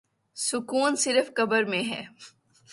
سکون صرف قبر میں ہے